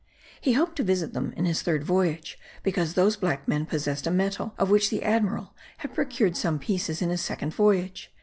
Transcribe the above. He hoped to visit them in his third voyage because those black men possessed a metal of which the admiral had procured some pieces in his second voyage.